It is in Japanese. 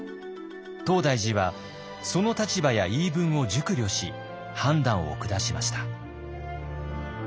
東大寺はその立場や言い分を熟慮し判断を下しました。